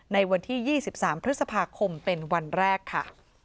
ในวันที่๒๓พฤษภาคมเป็นวันแรกค่ะ